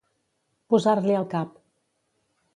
Posar-li al cap.